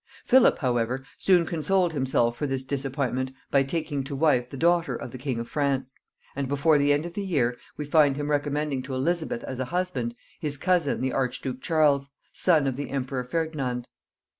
Philip, however, soon consoled himself for this disappointment by taking to wife the daughter of the king of France; and before the end of the year we find him recommending to Elizabeth as a husband his cousin the archduke Charles, son of the emperor Ferdinand.